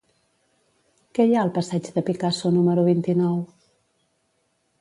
Què hi ha al passeig de Picasso número vint-i-nou?